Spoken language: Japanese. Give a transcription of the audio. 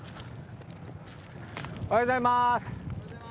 おはようございます。